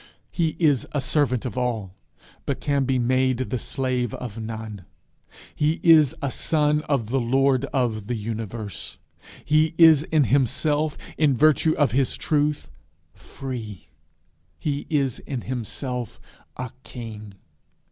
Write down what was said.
He is a servant of all, but can be made the slave of none: he is a son of the lord of the universe. He is in himself, in virtue of his truth, free. He is in himself a king.